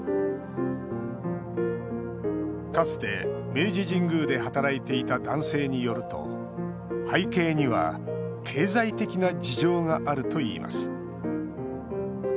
かつて明治神宮で働いていた男性によると背景には経済的な事情があるといいます。